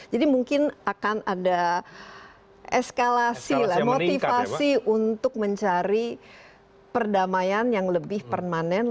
mungkin akan ada eskalasi lah motivasi untuk mencari perdamaian yang lebih permanen